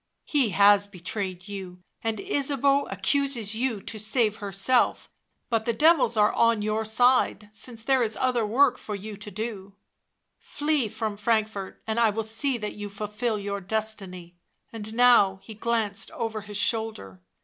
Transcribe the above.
" He has betrayed you, and Ysabeau accuses you to save herself ; but the devils are on your side since there is other work for you to do; flee from Frank fort, and I will see that you fulfil your destiny." And now he glanced over his shoulder.